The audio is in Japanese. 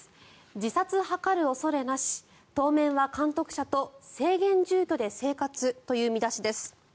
自殺図る恐れなし当面は監督者と制限住居で生活という見出しです。